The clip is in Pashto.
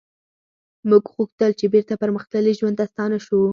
موږ غوښتل چې بیرته پرمختللي ژوند ته ستانه شو